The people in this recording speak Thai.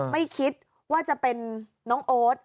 ไม่คิดว่าจะเป็นน้องโอ๊ต